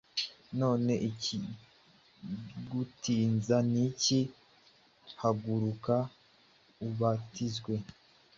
None ikigutinza ni iki? Haguruka ubatizwe,